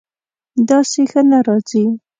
داسې ښه نه راځي